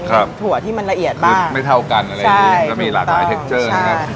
ถั่วที่มันละเอียดมากไม่เท่ากันอะไรอย่างนี้แล้วมีหลากหลายเทคเจอร์นะครับ